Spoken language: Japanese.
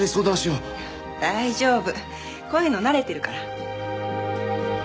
こういうの慣れてるから。